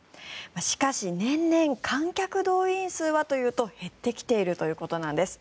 しかし、年々観客動員数はというと減ってきているということなんです。